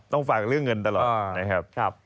ฝากเรื่องเงินตลอดนะครับ